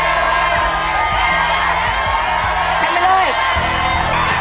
มาลูกมาเลยมาเลย